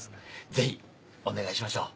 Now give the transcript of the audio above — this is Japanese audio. ぜひお願いしましょう。